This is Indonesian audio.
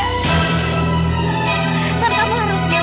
aksan kamu harus jawab jujur sama aku